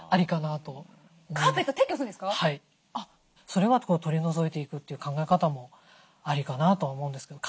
それは取り除いていくという考え方もありかなとは思うんですけど。